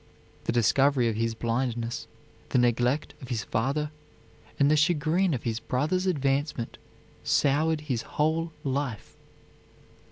The discovery of his blindness, the neglect of his father, and the chagrin of his brothers' advancement soured his whole life.